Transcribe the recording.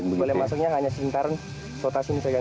boleh masuknya hanya sejumlah sota sini saja